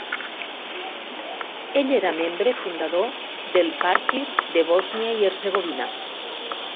Ell era membre fundador del Partir de Bòsnia i Herzegovina.